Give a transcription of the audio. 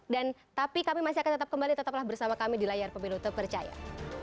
dan tapi kami masih akan tetap kembali tetaplah bersama kami di layar pemilu terpercaya